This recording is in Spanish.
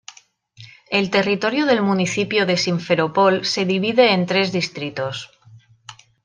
El territorio del Municipio de Simferopol se divide en tres distritos.